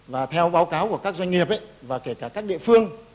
và theo báo cáo của các doanh nghiệp và kể cả các địa phương